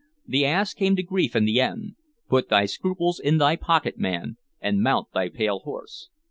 "The ass came to grief in the end. Put thy scruples in thy pocket, man, and mount thy pale horse."